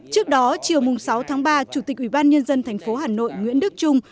trước đó chiều sáu tháng ba chủ tịch ubnd tp hà nội nguyễn đức trung